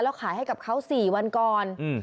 แล้วขายให้กับเขา๔วันก่อน